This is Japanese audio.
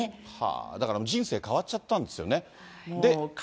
だから人生変わっちゃったんですよね。